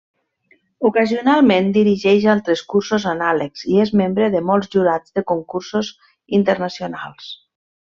Ocasionalment dirigeix altres cursos anàlegs, i és membre de molts jurats de concursos internacionals.